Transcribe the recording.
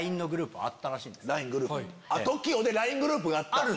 ＴＯＫＩＯでＬＩＮＥグループがあった。